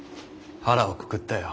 腹をくくったよ。